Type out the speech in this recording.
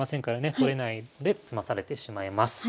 取れないで詰まされてしまいます。